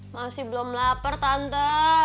masih belum lapar tante